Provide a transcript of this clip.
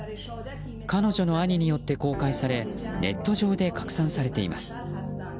彼女の兄によって公開されネット上で拡散されています。